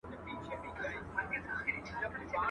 o څه وڼی پاته، څه کوسی پاته.